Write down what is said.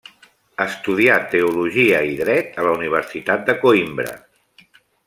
Estudià teologia i dret a la Universitat de Coïmbra.